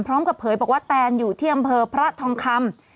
เผยบอกว่าแตนอยู่ที่อำเภอพระทองคำ